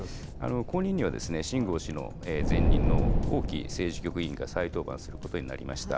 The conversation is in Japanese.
後任には秦剛氏の前任の王毅政治局委員が再登板することになりました。